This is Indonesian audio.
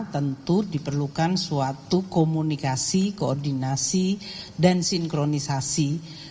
tentu diperlukan suatu komunikasi koordinasi dan sinkronisasi